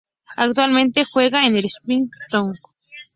Actualmente juega en el Ipswich Town.